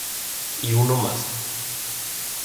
Y uno más.